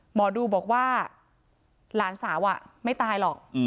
หมอดูบอกว่าหลานสาวไม่ตายหรอก